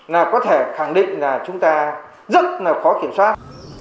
là có thể khẳng định là chúng ta rất là khó kiểm soát